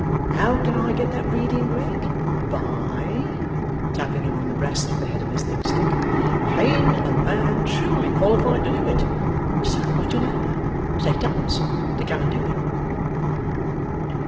How can I get that reading, Wegg? By,' tapping him on the breast with the head of his thick stick, 'paying a man truly qualified to do it, so much an hour (say twopence) to come and do it.